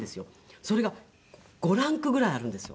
それが５ランクぐらいあるんですよ。